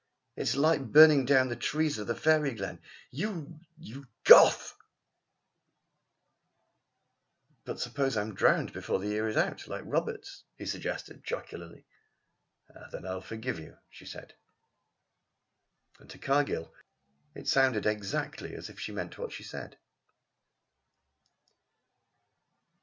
It's like burning down the trees of the Fairy Glen. You you Goth!" "But suppose I am drowned before the year is out like Roberts?" he suggested jocularly. "Then I will forgive you," she said. And to Cargill it sounded exactly as if she meant what she said.